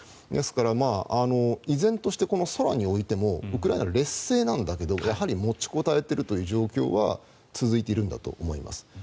ですから、依然として空においてもウクライナが劣勢なんだけどやはり持ちこたえているという状況は続いているんだと思います。